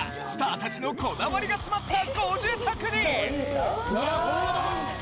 スター達のこだわりが詰まったご自宅に！